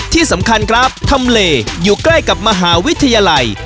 ที่สำคัญครับทำเลอยู่ใกล้กับมหาวิทยาลัย